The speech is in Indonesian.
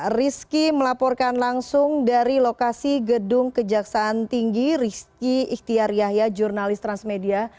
rizky melaporkan langsung dari lokasi gedung kejaksaan tinggi rizky ikhtiar yahya jurnalis transmedia